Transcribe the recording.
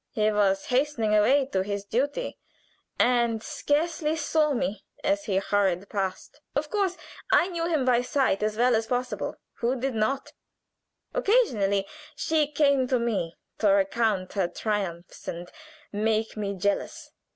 He was hastening away to his duty, and scarcely saw me as he hurried past. Of course I knew him by sight as well as possible. Who did not? Occasionally she came to me to recount her triumphs and make me jealous.